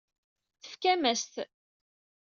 Tefkam-as-t.